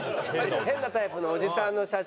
変なタイプのおじさんの写真あります。